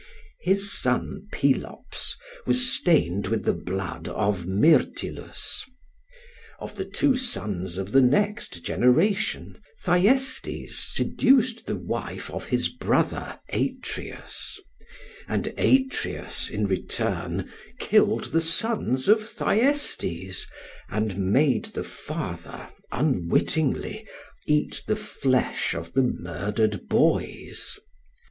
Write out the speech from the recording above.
His son Pelops was stained with the blood of Myrtilus. Of the two sons of the next generation, Thyestes seduced the wife of his brother Atreus; and Atreus in return killed the sons of Thyestes, and made the father unwittingly eat the flesh of the murdered boys.